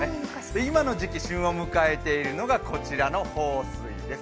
今の時期、旬を迎えているのがこちらの豊水です。